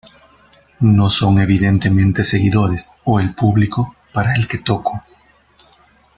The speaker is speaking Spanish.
No son evidentemente seguidores o el público para el que toco.